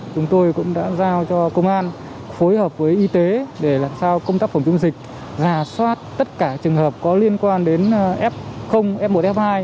chúng tôi cũng đã giao cho công an phối hợp với y tế để làm sao công tác phòng chống dịch giả soát tất cả trường hợp có liên quan đến f f một f hai